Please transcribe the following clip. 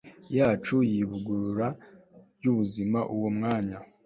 yacu yivugurura ryubuzima uwo mwanya